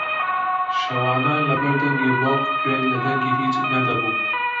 شەوانە لەبەر دەنگی بۆق گوێت لە دەنگی هیچ نەدەبوو